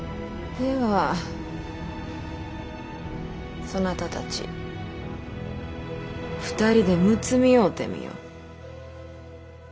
ではそなたたち２人でむつみ合うてみよ。